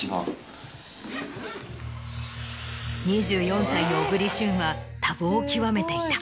２４歳の小栗旬は多忙を極めていた。